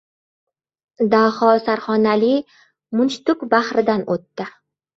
Daho sarxonali mundshtuk bahridan o‘tdi.